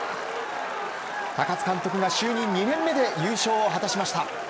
高津監督が就任２年目で優勝を果たしました。